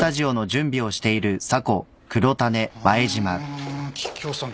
あ桔梗さん